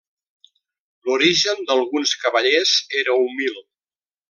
L’origen d'alguns cavallers era humil.